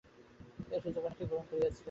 এই সুযোগ অনেকেই গ্রহণ করিয়াছিলেন।